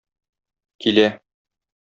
Килә.